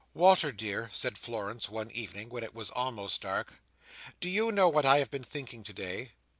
"Walter, dear," said Florence, one evening, when it was almost dark. "Do you know what I have been thinking today?"